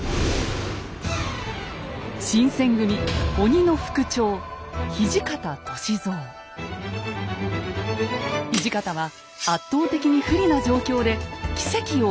新選組鬼の副長土方は圧倒的に不利な状況で奇跡を起こしました。